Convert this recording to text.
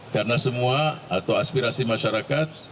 karena semua atau aspirasi masyarakat